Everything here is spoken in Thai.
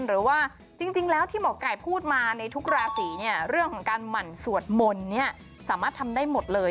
หรือว่าจริงแล้วที่หมอไก่พูดมาในทุกราศีเนี่ยเรื่องของการหมั่นสวดมนต์เนี่ยสามารถทำได้หมดเลย